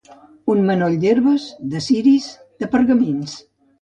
Un manoll d'herbes, de ciris, de pergamins.